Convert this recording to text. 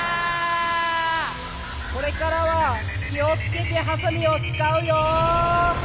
これからはきをつけてハサミをつかうよ！